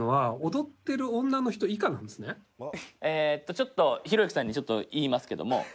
ちょっと、ひろゆきさんに言いますけども。